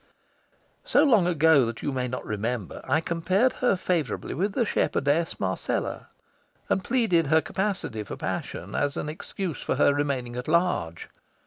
So long ago that you may not remember, I compared her favourably with the shepherdess Marcella, and pleaded her capacity for passion as an excuse for her remaining at large.